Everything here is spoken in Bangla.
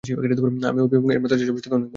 আমি অভি এবং এই মুহুর্তে চাষবাস থেকে অনেক দূরে।